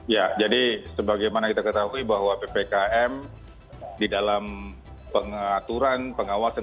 ya jadi sebagaimana kita ketahui bahwa ppkm di dalam pengaturan pengawasan